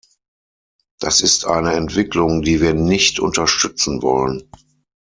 Das ist eine Entwicklung, die wir nicht unterstützen wollen.